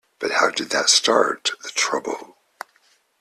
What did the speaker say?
But how did that start the trouble?